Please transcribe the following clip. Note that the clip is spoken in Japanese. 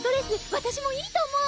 私もいいと思う！